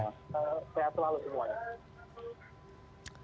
sehat selalu semuanya